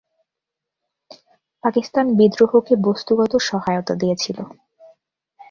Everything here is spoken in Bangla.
পাকিস্তান বিদ্রোহকে বস্তুগত সহায়তা দিয়েছিল।